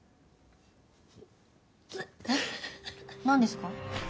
何ですか？